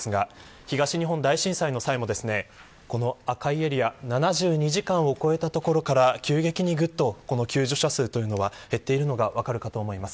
東日本大震災の際もこの赤いエリア７２時間を超えたところから急激に救助者数が減っているのが分かるかと思います。